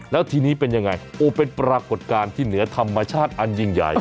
แล้วทีนี้เป็นยังไงโอ้เป็นปรากฏการณ์ที่เหนือธรรมชาติอันยิ่งใหญ่